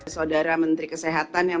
saudara menteri kesehatan